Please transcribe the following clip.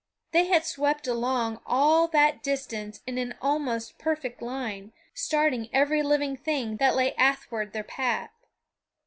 They had swept along all that distance in an almost perfect line, starting every living thing that lay athwart their path.